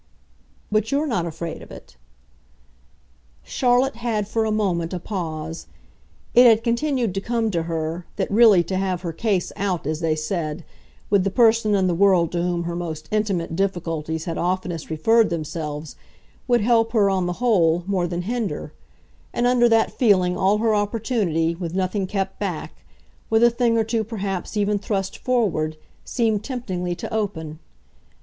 "But you're not afraid of it?" Charlotte had for a moment a pause; it had continued to come to her that really to have her case "out," as they said, with the person in the world to whom her most intimate difficulties had oftenest referred themselves, would help her, on the whole, more than hinder; and under that feeling all her opportunity, with nothing kept back; with a thing or two perhaps even thrust forward, seemed temptingly to open.